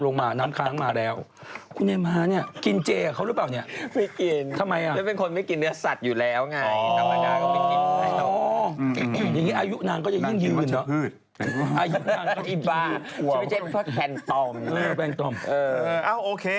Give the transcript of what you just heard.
น้ำค้างมาแล้วคุณแอบม้านี่กินเจ๊กับเขาหรือเปล่า